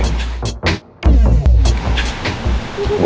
lo berdua aja